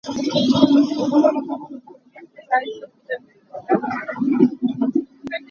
A bia ki ngaih awk a herh.